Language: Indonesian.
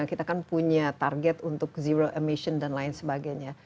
kita kan punya target untuk zero emission dan lain sebagainya